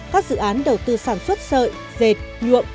các dự án đầu tư sản xuất sợi dệt nhuộm